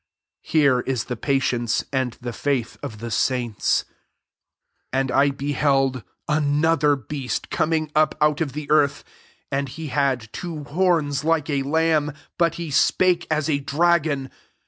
Here is the patience and the faith of the saints. 11 And I beheld anpther beast coming up out of the earth; and he had two horns like a lamb, but he spake as a dragon.